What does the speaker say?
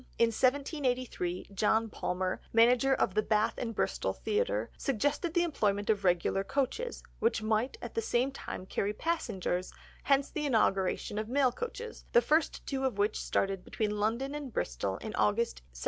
In 1783, John Palmer, manager of the Bath and Bristol Theatre, suggested the employment of regular coaches, which might at the same time carry passengers, hence the inauguration of mail coaches, the first two of which started between London and Bristol in August 1784.